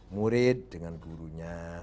murid dengan gurunya